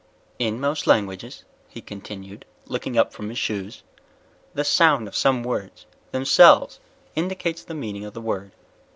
_ "In most languages," he continued, looking up from his shoes, "the sound of some words themselves indicates the meaning of the word.